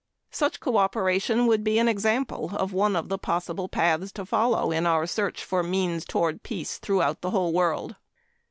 Such cooperation would be an example of one of the possible paths to follow in our search for means toward peace throughout the whole world.